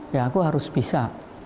ya aku harus bisa